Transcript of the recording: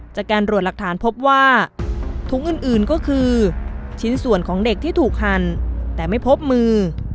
จากการรวดหลักฐานพบว่าถุงอื่นก็คือชิ้นส่วนของเด็กที่ถูกหั่นแต่ไม่พบมือ